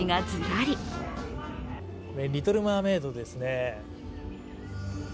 「リトル・マーメイド」ですね。